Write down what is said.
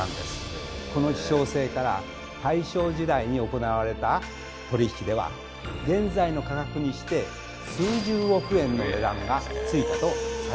この希少性から大正時代に行われた取り引きでは現在の価格にして数十億円の値段がついたとされています。